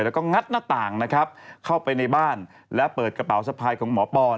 แล้วก็งัดหน้าต่างนะครับเข้าไปในบ้านและเปิดกระเป๋าสะพายของหมอปอน